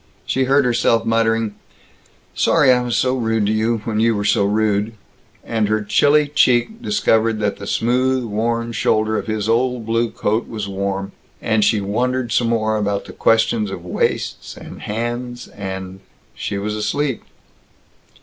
She heard herself muttering, "Sorry I was so rude when you were so rude," and her chilly cheek discovered that the smooth worn shoulder of his old blue coat was warm, and she wondered some more about the questions of waists and hands and She was asleep.